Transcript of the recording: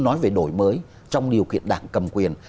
nói về đổi mới trong điều kiện đảng cầm quyền